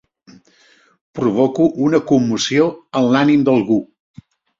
Provoco una commoció en l'ànim d'algú.